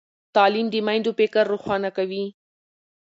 تعلیم د میندو فکر روښانه کوي۔